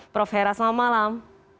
prof hera selamat malam